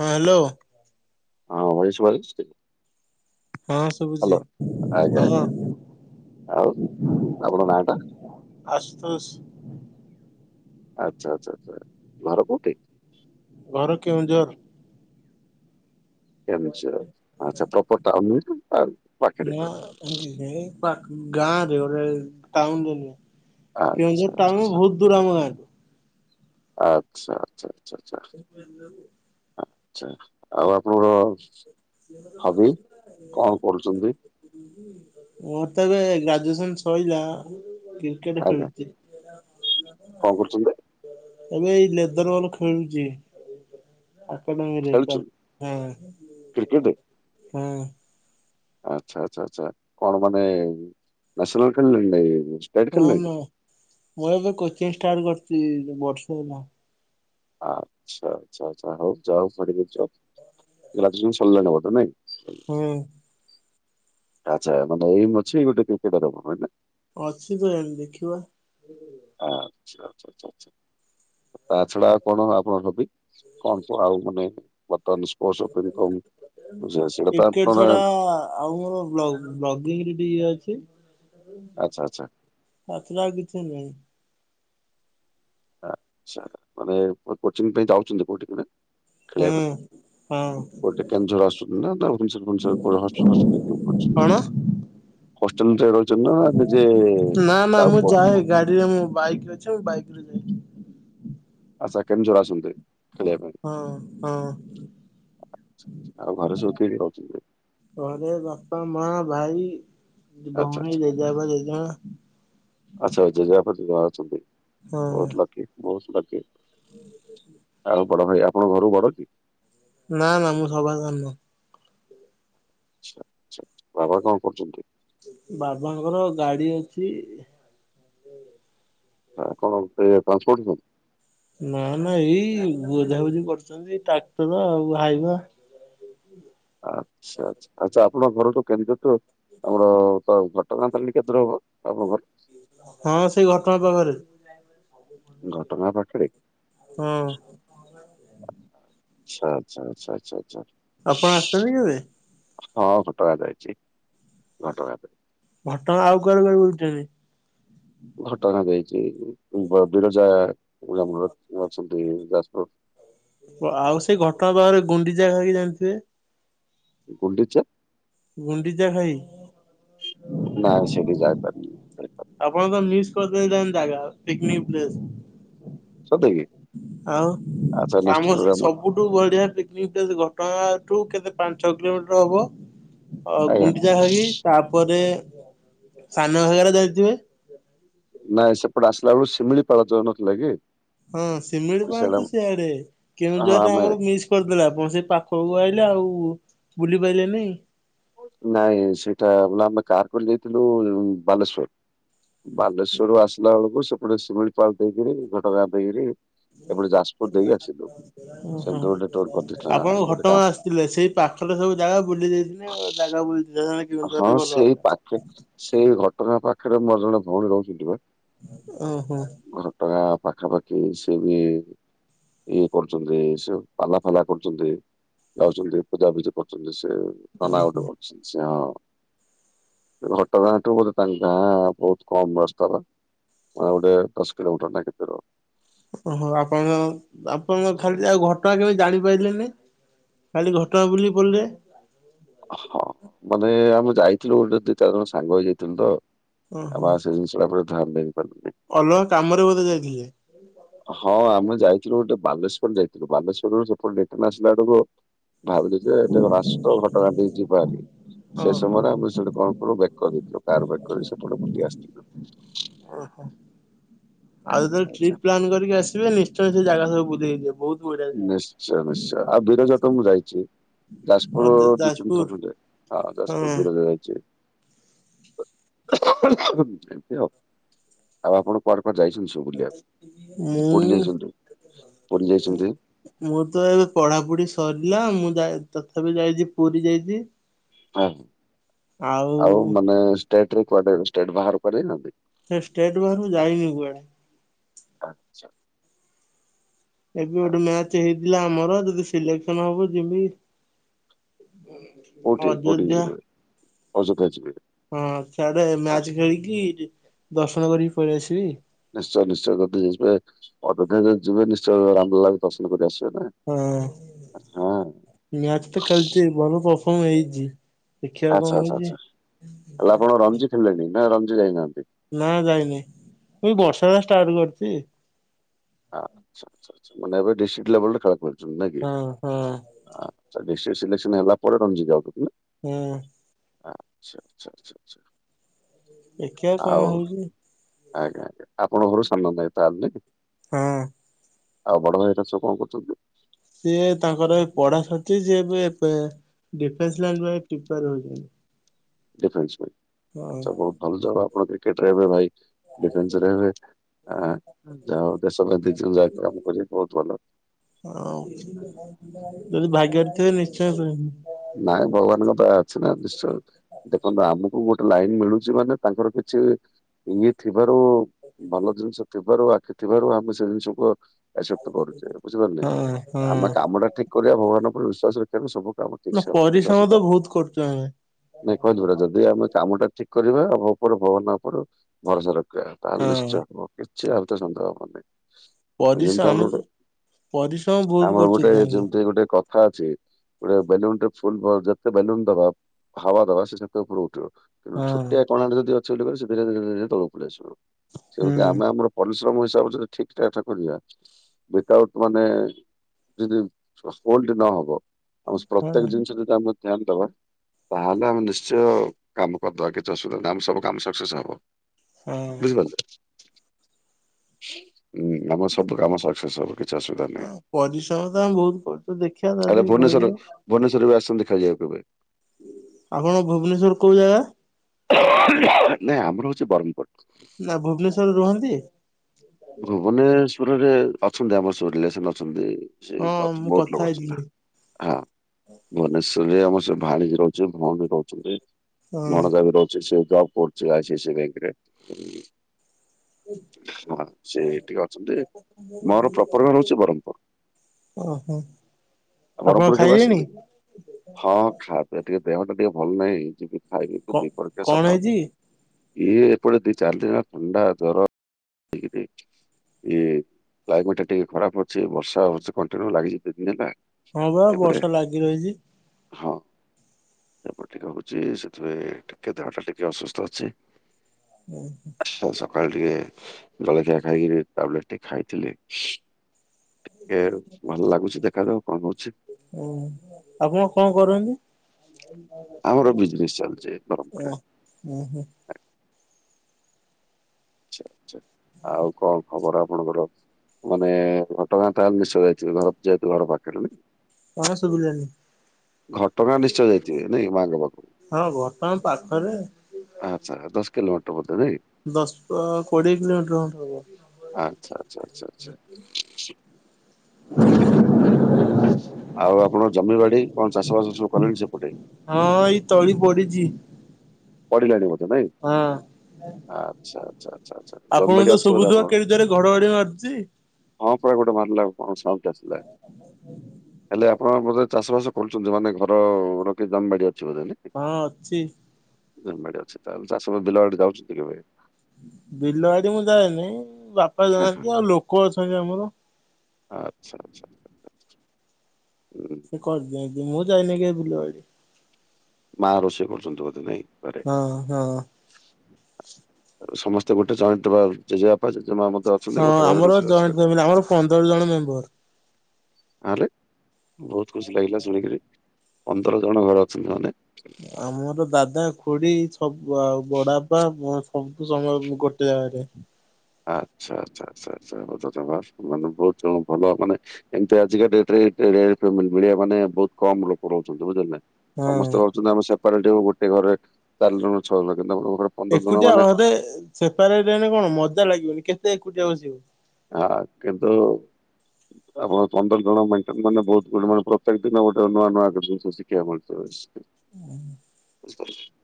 ହଁ ହ୍ୟାଲୋ। ହଁ ଭାଇ ଶୁବାଯାଉଚି। ହଁ ଶୁବୁଚି ଆଜ୍ଞା ଭଲ। ଆଜ୍ଞା ଆଉ ଆପଣଙ୍କ ନାଆ ଟା। ଆସୁତୋଷ। ଆଚ୍ଛା ଆଚ୍ଛା ଆଛା ଘର କଉଠି? ଘର କେଉଁଝର। କେଉଁଝର ଆଛା ପ୍ରପର ଟାଉନ୍ ନା ପାଖେରେ କଉଠେ? [inaudible] ପା ଗାଁରେ ରହେ ଟାଉନ ରେ ନୁହେଁ ଆଚ୍ଛା କେଉଁଝର ଟାଉନ ଆଚ୍ଛା ବହୁତ ଦୂର ଆମ ଗାଁଠୁ। ଆଚ୍ଛା ଆଚ୍ଛା ଆଚ୍ଛା ଆଚ୍ଛା ଆ ଆଛା ଆଉ ଆପଣଙ୍କର ହବି କଣ କରୁଛନ୍ତି? ମୋର ତଏବେ ଗ୍ରାଜୁଏସନ ସରିଲା କ୍ରିକେଟ ଆଜ୍ଞା ଖେଳୁଚି। କଣ କରୁଛନ୍ତି? ଏବେ ଏଇ ଲେଦର ବଲ ଖେଳୁଚି। ଆକାଡମୀରେ ତ ଖେଳୁଛନ୍ତି ହଁ କ୍ରିକେଟ? ହଁ। ଆଛା ଆଚ୍ଛା କଣ ମାନେ ନେସଲାଲ ଖେଳାଳି ଟା କି ଇଏ। ହ ମୁଁ ମୋର ମୁ କୋଚିଂ ଷ୍ଟାର୍ଟ କରିଥିଲି ବର୍ଷ ହେଲା। ଆଚ୍ଛା ଆଛା ଆଛା ହଉ ଯାଉ ସିଆଡେ ଗ୍ରାଜୁଏସନ ସରିଲାଣି ବୋଧେ ନାଇଁ। ହୁଁ। ଆଚ୍ଛା ଏମ୍ ଅଛି ଗୋଟ କ୍ରିକେଟର ହବ। ଅଛି ତ ଏମ୍ ଦେଖିବା। ଆ ଆଚ୍ଛା ଆଛା ଆଛା ତା ଛଡା ଆଉ କଣ ଆପଣ ଭାବି କଣ କୁହ ଆଉ ମାନେ ବର୍ତ୍ତମାନ [inaudible] କ୍ରିକେଟ ଛଡା ଆଉ ମୋର ବ୍ଲଗିଂ ରେ ଟିକେ ଇଏ ଅଛି। ଆଚ୍ଛା ଆଚ୍ଛା ତା ଛଡ଼ା ଆଉ କିଛି ନାହିଁ। ଆଛ ମାନେ କୋଚିଂ ପାଇଁ ଯାଉଛନ୍ତି କୋଉଠିକି ହଁ। ହଁ। ଗୋଟେ କେଉଁଝର ଆସୁଛନ୍ତି ନ କୋଉଠି ହଷ୍ଟେଲ ରେ ରହୁଛନ୍ତି। କଣ ହଷ୍ଟେଲ ରହୁଛନ୍ତି ନା ନିଜେ ନା ନା ମୁଁ ଗାଡିରେ ମୁଁ ବାଇକ୍ ଅ ସେ ବାଇକ ଯାଏ। ଆଛ କେଉଁଝର ଆସନ୍ତି। ଖେଳିବା ପାଇଁ ହଁ ହଁ ଆଉ ଘରେ ସବୁ କିଏ କିଏ ରହୁଛନ୍ତି? ଘରେ ବାପା, ମା, ଭାଇ, ଭଉଣୀ, ଜେଜେ ବାପା, ଜେଜେମା। ଆଛ ଜେଜେ ବାପା ଜେଜେ ମା ଅଛନ୍ତି ହଁ ବହୁତ ଲକି ବହୁତ ଲକି। [inaudible] ଆଉ ବଡ ଭାଇ ଆପଣ ଘର ବଡ କି? ନା ନା ମୁଁ ସବା ସାନ ଆଛା ଆଛା ବାବା କଣ କରୁଛନ୍ତି? ବାବାଙ୍କର ଗାଡି ଅଛି। କଣ ଟ୍ରାନ୍ସପୋଟନ ନା ନା ଏଇ ବୁଝାବୁଝି କରୁଛନ୍ତି ଏଇ ଟ୍ରାକ୍ଟର ଆଉ ହାଇବା ଆଚ୍ଛା ଆଛା ଆଚ୍ଛା ଆପଣଙ୍କ ଘର ତ କେଉଁଝର ଠୁ ଆମର ତ ଘଟଗାଁ ତ କେଦ୍ର ହବ ଆପଣଙ୍କ ଘରଠୁ ହଁ ସେଇ ଘଟଣା ପାଖରେ। [inaudible] ଘଟଣା ପାଖରେ ହଁ। ଆଛା ଆଚ୍ଛା ଆଛା ଆଛା ଆଛା। ଆପଣ ଆସିଛନ୍ତି କେବେ? ହଁ ଘଟଗାଁ ଯାଇଛି ଘଟଗାଁ ଘଟଗାଁ ଆଉ କୁଆଡେ କୁଆଡେ ବୁଲିଛନ୍ତି? ଘଟଗାଁ ଯାଇଛି ବ ବିରଜା ଆମର ଅଛନ୍ତି ଯାଜପୁର। ଆଉ ସେଇ ଘଟଗାଁ ପାଖରେ ଗୁଣ୍ଡିଚା ଘାଇ ଜାଣିଥିବେ। ଗୁଣ୍ଡିଚା। ଗୁଣ୍ଡିଚା ଘାଇ। ନାଇ ସେଠିକି ଯାଇପାରନି। ଆପଣ ତ ମିସ୍ କରିଦେଇଛନ୍ତି ଜାଗା ପିକନିକ ପ୍ଲେସ। ସତେକି ଆଉ ଆଚ୍ଛା ନେକ୍ସଟ ଆମ ସେ ସବୁ। ପ୍ରୋଗ୍ରାମ ସବୁଠୁ ବଢିଆ ପିକନିକ ପ୍ଲେସ ଘଟଗାଁ ଠୁ କେତେ ପାଞ୍ଚ ଛଅ କିଲୋମିଟର ହବ। ଆଉ ଆଜ୍ଞା ଗୁଣ୍ଡିଚା ଘାଇ ତାପରେ ସାନ ଘାଘରା ଯାଇଥିବେ। ନାଇଁ ସେପଟେ ଆସିଲା ବେଳ ଶିମିଳି ପାଳ ଯୋଉ ନଥିଲା କି। ହୁଁ ଶିମିଳିପାଳ ସେଇଟା ତ ସିଆଡେ ହଁ କେଉଁଝର ଆମେ ଆମର ମିସ କରିଦେଲେ ଆପଣ ସେଇ ପାଖକୁ ଆଇଲେ ଆଉ ବୁଲି ପାଇଲେନି। ନାଇଁ ସେଇଟା ବଲେ ଆମେ ତାପରେ ଯାଇଥିଲୁ ଉଁ ବାଲେଶ୍ଵର। ବାଲେଶ୍ଵର ରୁ ଆସିଲା ବେଳକୁ ସେପଟେ ଶିମିଳିପାଳ ଦେଇକରି ଘଟଗାଁ ଦେଇକିରି। ଏପଟେ ଯାଜପୁର ଦେଇକି ଆସିଲୁ। ଉଁ ସେମିତି ହିଁ ଗୋଟେ ଟୁର୍ କରିଦେଇଥିଲା ଆପଣଙ ଗୋଟେ କା ଘଟଗାଁ ଆସ ଥିଲେ ସେଇ ପାଖରେ ସବୁ ଜାଗା ଭୁଲି ଯାଇଛନ୍ତି ଆଉ ଜାଗା ବୁଲି ଯାଇଥାନ୍ତେ କେଉଁଝର ହଁ ରେ ଭଲ ସେଇ ଜା ପାଖେ ସେଇ ଘଟଗାଁ ପାଖରେ ମୋର ଜଣେ ଭଉଣୀ ରହୁଛନ୍ତି ବା। ଉଁ ହୁଁ। ଘଟଣା ପାଖାପାଖି ସିଏ ବି ଇଏ କରୁଚନ୍ତି ସେ ପାଲା ଫାଲା କରୁଚନ୍ତି। ଯାଉଛନ୍ତି ପୂଜାପୂଜିି କରୁଛନ୍ତି ସେ ନନା ଓହୋ। ଗୋଟେ କରୁଛନ୍ତି ସେ ହଁ। ସେ ଘଟଗାଁ ଠୁ ବୋଧେ ତାଙ୍କ ଗାଁ ବହୁତ କମ୍ ରାସ୍ତାର। ଆଉ ଗୋଟେ ଦଶ କିଲୋମିଟର ନା କେତେ ର। ଓହୋ ଆପଣ ଜାଣୁ ଆପଣ ଖାଲି ଆଉ ଘଟଗାଁ କେମତି ଜାଣିପାଇଲେନି। ଖାଲି ଘଟଗାଁ ବୁଲିକି ପଳେଇଲେ। ହଁ ମାନେ ଆମେ ଯାଇଥିଲୁ ଗୋଟେ ଦି ଚାରି ଜଣ ସାଙ୍ଗ ହେଇଯାଇଥିଲୁ ତ ଓହୋ ଆମ ସେ ତା ଉପରେ ଧାନ ଦେଇ ପାରଲିନି। ଅଲଗା କାମରେ ବୋଧେ ଯାଇଥିଲେ। ହଁ ଆମେ ଯାଇଥିଲୁ ଗୋଟେ ବାଲେଶ୍ୱର ଯାଇଥିଲୁ ବାଲେଶ୍ଵରରୁ ସେପଟେ ରିଟର୍ଣ୍ଣ ଆସିଲା ଆଡକୁ। ଭାବିଲି ଯେ ଏତେ ଜଣ ଆସିଚୁ ତ ଘଟଗାଁ ଦେଇକ ଯିବାହାରି। ସେ ଓହୋ ସମୟରେ ଆମେ ସେଠୁ କଣ କଲୁ ବ୍ୟାକ କରି ଦେଇଥିଲୁ କାର ବ୍ୟାକ କରି ସେପଟେ ବୁଲି ଆସିିଥୀଲୁ। ଓ ହ। ଆଉ ଯେତେବେଳେ ଆଚ୍ଛା ଟ୍ରିପ ପ୍ଲାନ କରିକି ଆସିବେ ନିଶ୍ଚୟ ସେ ଜାଗା ସବୁ ବୁଲିକି ଯିବେ ବହୁତ। ବଢିଆ ଜାଗା। ନିଶ୍ଚୟ ନିଶ୍ଚୟ ଆଉ ବିରଜାତ ମୁଁ ଯାଇଚି। ଆଉ ଯାଜପୁର ଯ ଦି ତିନି ଥର ଯାଜପୁର ଖଣ୍ଡେ ହଁ ଯାଜପୁର ବିରଯା ଯାଇଚି। ଏମିତି ଆଉ ଆଉ ଆପଣ। କୁଆଡେ କୁଆଡେ ଯାଇଛନ୍ତି ସବୁ ବୁଲିଆକୁ ପୁରୀ ମୁଁ ଯାଇଛନ୍ତି ପୁରୀ ଯାଇଛନ୍ତି। ମୁଁ ତ ଏବେ ପଢାପଢି ସରିଲା ମୁଁ ଯାଇ ତଥାପି ଯାଇଚି ପୁରୀ ଯାଇଚି। ଆଉ ଆଉ ମାନେ ଷ୍ଟେଟରେ କୁଆଡେ ଷ୍ଟେଟ ବାହାର କୁଆଡେ ଯାଇନାହାନ୍ତି। ନାଇଁ ଷ୍ଟେଟ୍ ବାହାରୁକୁ ଯାଇନି କୁଆଡେ। ଆଛା। ଏବେ ଗୋଟେ ମ୍ୟାଚ ହେଇଥିଲା ଆମର ଯଦି ସିଲେକ୍ସନ ହବ ଯବି। କଉଠି କଉଠିକି ଯିବେ ଅଯୋଧ୍ୟା ଯିବେ। ହଁ ସିଆଡେ ଆଁ, ମ୍ୟାଚ ଖେଳିକି ଦର୍ଶନ କରିକି ପଳେଇ ଆସିବି। ନିଶ୍ଚୟ ନିଶ୍ଚୟ ଯଦି ଯିବେ ଅଯୋଧ୍ୟା ଯଦି ଯିବେ ନିଶ୍ଚୟ ରାମ ଲାଲା କୁ ଦର୍ଶନ କରି ଆସିବେ ନା। ହଁ ହଁ ମ୍ୟାଚ୍ ତ ଖେଳିଛି ବହୁ ପରଫମ୍ ହେଇଚି। ଆଚ୍ଛା ଆଚ୍ଛା ଆଚ୍ଛା ହେଲେ ଆପଣ ରଞ୍ଜୁ ହେଲେନି, ନା ରଞ୍ଜୁ ଯାଇନାହାନ୍ତି। ନା ଯାଇନି ଏଇ ବର୍ଷା ଷ୍ଟାର୍ଟ କରିଚି। ଆଛା ଆଛା ଆଛା ମାନ ଏବେ ଡିଷ୍ଟ୍ରିକ୍ ଲେବଲରେ ଖେଳ କରଛ ନକି ହଁ ହଁ ଆ ଡିଷ୍ଟିକ ସିଲେକ୍ସନ ହେଲା ପରେ ରଞ୍ଜି ଯାଉ ହୁଁ ଆଛା, ଆଛା, ଆଛା, ଆଛା। ଦେଖ୍ୟା ଆଉ ଆଜ୍ଞା ଆଜ୍ଞା ଆପଣଙ୍କର ସାନଭାଇ [unintelligible] ହଁ ଆଉ ବଡ ଭାଇ ଚାଷ କଣ କରୁଛନ୍ତି? ସିଏ ତାଙ୍କର ଏ ପଢା ସରିଚି ଯେ ଇବେ ଡିଫେନ୍ସ ଲାଇନ୍ ପାଇଁ ପ୍ରିପେୟାର ହଉଛନ୍ତି। ଡିଫେନ୍ସ ପାଇଁ ହଁ ଆଛା ବହୁତ ଭଲ ଯବ ଆପଣ ପାଇଁ କ୍ରିକେଟ ର ଭାଇ ଡିଫେନ୍ସ ରହିବେ ଆ ଯାହଉ ଦେଶ ପାଇଁ ଦି ଯାକ କାମ କରିବେ ବହୁତ ଭଲ। ହଉ ଯଦି ଭାଗ୍ୟରେ ଥିବେ ନିଶ୍ଚୟ କହିବି। ନାଇଁ ଭଗବାନଙ୍କ ପା ଥନା ନିଶ୍ଚ ଦେଖନ୍ତୁ ଆମକୁ ଗୋଟେ ଲାଇନ୍ ମିଳୁଛି ମାନେ ତାଙ୍କର କିଛି ଇଏ ଥିବାରୁ ଭଲ ଜିନିଷ କେବର ବାକି ଥିବାରୁ ଆମେ ସେ ଜିନିଷ କୁ ଅ ଆସେପ୍ଟ କରୁଛେ ବୁଝିପାରୁିଲ ହଁ ଆମେ ହଁ। କାମ ଟା ଠିକ୍ କରିବା ଭଗବାନ ଉପରେ ବିଶ୍ଵାସ ରଖିବାକୁ ସବୁ କାମ ଠିକ ନା ସେ ହବ କିଛି ପରିଶ୍ରମ ଅସୁବିଧା ତ ହବନି। ବହୁତ କରୁଛୁ ଆମେ। ନାଇଁ କହିଲି ପରା ଯଦି ଆମେ କାମ ଟା ଠିକ୍ କରିବା ଆମ ଉପରେ ଭଗବନ ଉପରେ ଭରସା ର ତାହେଲେ ହଁ ନିଶ୍ଚୟ ହବ କିଛି ଆ ଭିତରେ ସନ୍ଦେହ ହବନି। ପରିଶ୍ର ଯେମିତି ଆମେ ଆମର ତ ଗୋଟେ ପରିଶ୍ରମ ବହୁତ ଆମର ଗୋଟେ କରୁଛନ୍ତି ଯାଇକି ଯେମିତି ଗୋଟେ କ ଅଛି ଗୋଟେ ବେଲୁନଟେ ଫୁଲ୍ ଯେତେ ବେଲୁନ ଦବା ହାୱା ଦବା ସେ ସେତେ ଉପରୁକୁ ଉଠିବ। ହଁ ଛୋଟିଆ କଣାରେ ଯଦି ଅଛି ବୋଲି ସେ ଧିରେ ଧିରେ ଧିରେ ଧିରେ ତକକୁ ପଳିଆସିବ। ସେମିତି ହୁଁ ଆମେ ଆମର ପରିଶ୍ରମ ହିସାବରେ ଯଦି ଠିକଠାକ୍ ପଡ଼ିଲା ୱିଥ ଆଉଟ୍ ମାନେ ଯଦି [unintelligible] ନ ହବ [unintelligible] ପ୍ରତେକ ହଁ ଜିନିଷ ଯଦି ଆମେ ଧ୍ୟାନ ଦବା ତାହେଲେ ଆମେ ନିଶ୍ଚୟ କାମ କରିଦବା କିଛି ଅସୁବିଧା ନାହିଁ ଆମ ସବୁ କାମ ସକ୍ସେସ ହବ। ହଁ। ବୁଝିପାରିଲତ ହୁଁ ଆମର ସବୁ କାମ ସ [unintelligible] କିଛି ଅସୁବିଧା ନାହିଁ ପରିଶ୍ରମ ତ ଆମେ ବହୁତ କରୁଛୁ ଦେଖିବା ଯଦି ମିଳିବ ଭୁନେଶ୍ୱରରେ ବି ଆସିଛନ୍ତି ଦେଖାଯିବା କେବେ ଆପଣ ଭୁବନେଶ୍ଵରୁ କୋଉ ଜାଗା? ନାଇଁ ଆମର ହଉଛି ବ୍ରହ୍ମପୁର। ନା ଭୁବନେଶ୍ୱରରେ ରୁହନ୍ତି। ଭୁବନେଶ୍ଵରରେ ଅଛନ୍ତି ଆମର ସବୁ ରିଲେସନ୍ ଅଛନ୍ତି। ସିଏ ହଁ ମୁଁ ବହୁତ କଥା ଲୋକ ଚିହ୍ନା। ହେଇଥିଲି ହଁ ଭୁବନେଶ୍ଵରରେ ଆମର ସେ ଭାଣିଜୀ ରହୁଛି। ଭଉଣୀ ରହୁଛନ୍ତି। ହଁ ଭାଣଜାବି ରହୁଛି ସେ [unintelligible] ବ୍ୟାଙ୍କରେ। ହଁ ସେ ଟିକେ ଅଛନ୍ତି ମୋର ପ୍ରପର ଘର ହଉଛି ବ୍ରହ୍ମପୁର। ଓ ହୋ। ଆଉ ବ୍ରହ୍ମପୁର କେବେ ଆସନ୍ତୁ। ହଁଁ ଖାଇଆ ପିଇବା ଟିକେ ଦେହ ଟା ଟିକେ ଭଲ ନାହିଁ ଯିବି। ଖାଇକି କ [unintelligible] କଣ ସକାଳ ହେଇଛି ଇଏ ଏପଟେ ଦି ଚାରିଦିନ ହେଲା ଥଣ୍ଡା ଜର [unintelligible] ଇଏ କ୍ଲାଇମେଟ୍ ଟା ଟିକେ ଖରାପ ଅଛି, ବର୍ଷା ହଉଛି କନ୍ଟିନ୍ୟୁ ଲାଗିକି କିଛି ଦିନ ହେଲା। ହଁ ବା ଏପଟେ ବର୍ଷା ଲାଗି ରହିଛି। ହଁ। ତାପରେ ଟିକେ ହଉଚି ସେଥିପାଇଁ ଟିକେ ଦେହଟା ଟିକେ ଅସୁସ୍ଥ ଅଛି। ହୁଁ-ହୁଁ। ସକାଳେ ଟିକେ ଜଳୀଖିଆ ଖାଇକିରି ଟ୍ୟାବଲେଟ୍ ଟେ ଖାଇଥିଲି। ଟିକେ [unintelligible] ଭଲ ଲାଗୁଚି ଦେଖାଯାଉ କଣ ହଉଚି। ଆପଣ କଣ କରନ୍ତି? ଆମର ବିଜନେସ୍ ଚାଲିଚି [unintelligible] ଉଁ ହୁଁ। ଆଚ୍ଛା-ଆଚ୍ଛା ଆଉ କଣ ଖବର ଆପଣଙ୍କର? ମାନେ ଘଟଗାଁ ତାହେଲେ ନିଶ୍ଚୟ ଯାଇଥିବେ ଘର ଯେହେତୁ ଘର ପାଖରେ ନା। କଣ ଶୁବିଲାନି। ଘଟଗାଁ ନିଶ୍ଚୟ ଯାଇଥିବେ ନାଇଁ ମାଙ୍କ ପାଖୁ। ହଁ ବର୍ତ୍ତମାନ ପାଖରେ ଆଚ୍ଛା ଦଶ କିଲୋମିଟର ବୋଧେ ନାଇଁ। ଦଶ କୋଡିଏ କିଲୋମିଟର [unintelligible] ହବ। ଆଚ୍ଛା-ଆଚ୍ଛା-ଆଚ୍ଛା। ଆଉ ଆପଣ ଜମି ବାଡି କଣ ଚାଷ ବାସ ସବୁ କଲଣି ସେପଟେ? ହଁ ଏଇ ତଳି ପଡିଚି। ପଡ଼ିଲାଣି। ହଁ। ଆଚ୍ଛା ଆଚ୍ଛା ଆଚ୍ଛା ଆପଣଙ୍କୁ ଜମିବାଡି ତ ଅଛି ବୋଧେ ଶୁବୁଥିବ ଆପଣଙ୍କର? [unintelligible] ଜୋରେ ଘଡ ଘଡି ମାରୁଚି। ହଁ ପରା ଗୋଟେ ମାରିଲା କଣ ସାଉଣ୍ଡ ଆସିଲା। ହେଲେ ଆପଣ ବୋଧେ ଚାଷ ବାସ କରୁଚନ୍ତି, ମାନେ ଘରର କି ଜମି ବାଡି ଅଛି ବୋଧେ। ହଁ ଅଛି। ଜମି ବାଡ଼ି ଅଛି ତାହଲେ, ଚାଷ ବିଲଆଡେ ଯାଉଚନ୍ତି କେବେ? ବିଲ ବାଡି ମୁଁ ଯାଏନି, ବାପା ହଁ, ଯାଆନ୍ତି ଆଉ ଲୋକ ଅଛନ୍ତି ଆମର। ଆଚ୍ଛା। ହୁଁ। ସେ କରିଦିଅନ୍ତି ମୁଁ ଯାଇନି କେବେ ବିଲବାଡି। ମା ରୋଷେଇ କରୁଚନ୍ତି ବୋଧେ ନାଇଁ ଘରେ। ହଁ-ହଁ। ସମସ୍ତେ ଗୋଟେ [unintelligible] ଜେଜେବାପା ଜେଜେମା ଅଛନ୍ତି ହଁ ଗୋଟେ ଘରେ ଆମର ରୋଷେଇ ବାସ ଜଏଣ୍ଟ କରେ ଫ୍ୟାମିଲି ଆମର ପନ୍ଦର ଜଣ ମେମ୍ବର। ଆଲେ ବହୁତୁ ଖୁସି ଲାଗିଲା ଶୁଣିକିରି ପନ୍ଦର ଜଣ ଘରେ ଅଛନ୍ତି ମାନେ। ଆମର ଦାଦା, ଖୁଡି ସବୁ ଆଉ ବଡ ବାପା ମୋ ସବୁ ସମୟ ଗୋଟେ ଜାଗାରେ। ଆଚ୍ଛା-ଆଚ୍ଛା ଆଚ୍ଛା-ଆଚ୍ଛା [unintelligible] ମାନେ ବହୁତ୍ ଯୋ ଭଲ ମାନେ ଏମତି ଆଜିକା ଡେଟ ରେ ଏମିତି ଏଇ ଭଳିଆ ମାନେ ବହୁତ କମ ଲୋକ ରହୁଚନ୍ତି ବୁଝିଲେନା। ହଁ ସମସ୍ତେ ଭାବୁଚନ୍ତି ଆମେ ସେପାରେଟ ହବୁ ଗୋଟେ ଘରେ ଚାରି ଜଣ ରୁ ଛଅ ଜଣ କିନ୍ତୁ ଆପଣ ଙ୍କ ଘରେ ପନ୍ଦର ଜଣ ଏକୁଟିଆ ମାନେ ଘରେ ସେପାରେଟ୍ ହେନେ କଣ ମଜା ଲାଗିବନି କେତେ ଏକୁଟିଆ ବସିବ। ଆ କିନ୍ତୁ ଆପଣ ପନ୍ଦର ଜଣ ମେଣ୍ଟେନ୍ ମାନେ ବହୁତ୍ ଗୁଡେ ମାନେ ପ୍ରତ୍ୟେକ ଦିନ ଗୋଟେ ନୂଆ-ନୂଆ ଜିନିଷ ଶିଖିବା ମିଳୁଥିବ ବେଶୀ। ହୁଁ। [inaudible]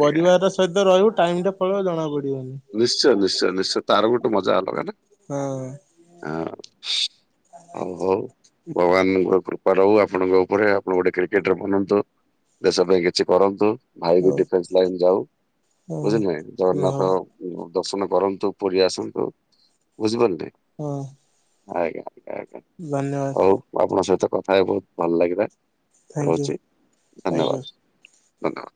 ଆଜ୍ଞା ପରିବାର ର ସହିତ ରହିବୁ ଟାଇମ୍ ଟା ପଳେଇବ ଜଣା ପଡ଼ିବନି। ନିଶ୍ଚୟ ନିଶ୍ଚୟ ନିଶ୍ଚୟ ତାର ଗୋଟେ ମଜା ଅଲଗା ନା ହଁ ହାଁ। ଆଉ ହଉ ଭଗବାନଙ୍କର କୃପା ରହୁ ଆପଣଙ୍କ ଉପରେ ଆପଣ ଗୋଟେ କ୍ରିକେଟର ବନନ୍ତୁ। ଦେଶ ପାଇଁ କିଛି କରନ୍ତୁ ଭାଇ ବି ହଉ ଡିଫେନ୍ସ ଲାଇନ ଯାଉ ବୁଝିଲେ ହଁ। ହଁ ଜଗନ୍ନାଥ ଦର୍ଶନ କରନ୍ତୁ ପୁରୀ ଆସନ୍ତୁ ବୁଝି ପାରିଲେ? ହଁ। ଆଜ୍ଞା ଆଜ୍ଞା ଆଜ୍ଞା। ଧନ୍ୟବାଦ। ହଉ ଆପଣଙ୍କ ସହିତ କଥା ହେଇ ବହୁତ ଭଲ ଲାଗିଲା ଥ୍ୟାଙ୍କ ୟୁ ରହୁଛି ଥ୍ୟାଙ୍କ ୟୁ। ଧନ୍ୟବାଦ। [unintelligible]